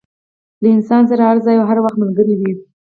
له انسان سره هر ځای او هر وخت ملګری وي.